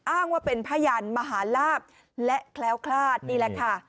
อ้างว่าเป็นพยานมหาลาบและแคล้วคลาดนี่แหละค่ะ